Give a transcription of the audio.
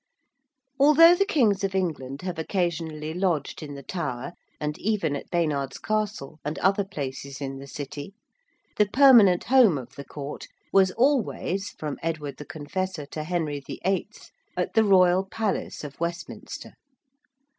Although the Kings of England have occasionally lodged in the Tower and even at Baynard's Castle, and other places in the City, the permanent home of the Court was always from Edward the Confessor to Henry VIII. at the Royal Palace of Westminster.